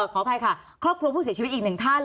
ขออภัยค่ะครอบครัวผู้เสียชีวิตอีกหนึ่งท่าน